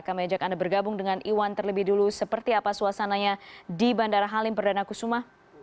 kami ajak anda bergabung dengan iwan terlebih dulu seperti apa suasananya di bandara halim perdana kusuma